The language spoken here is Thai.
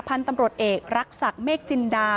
พันธุ์ตำรวจเอกรักษักเมฆจินดา